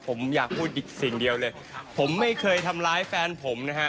ผมอยากพูดอีกสิ่งเดียวเลยผมไม่เคยทำร้ายแฟนผมนะฮะ